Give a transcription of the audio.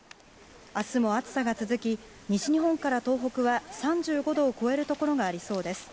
明日も暑さが続き西日本から東北は３５度を超えるところがありそうです。